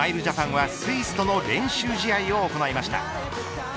ジャパンはスイスとの練習試合を行いました。